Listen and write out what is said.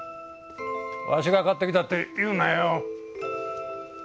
わしが買ってきたって言うなよ。